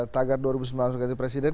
tagar dua ribu sembilan belas ganti presiden